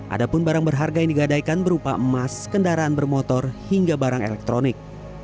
ada pun barang berharga yang digadaikan berupa emas kendaraan bermotor hingga barang elektronik